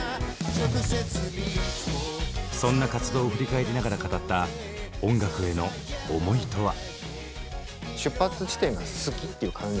そんな活動を振り返りながら語った音楽への思いとは？